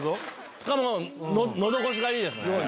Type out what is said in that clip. しかものど越しがいいですね